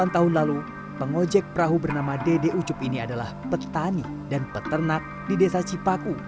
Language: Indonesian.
delapan tahun lalu pengojek perahu bernama dede ucup ini adalah petani dan peternak di desa cipaku